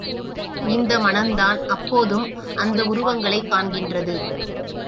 இந்த மனந்தான் அப்போதும் அந்த உருவங்களைக் காண்கின்றது.